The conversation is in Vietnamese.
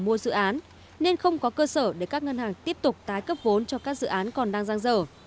mua dự án nên không có cơ sở để các ngân hàng tiếp tục tái cấp vốn cho các dự án còn đang giang dở